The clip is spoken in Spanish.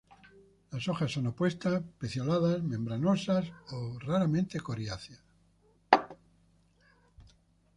Las hojas son opuestas, pecioladas, membranosas o raramente coriáceas.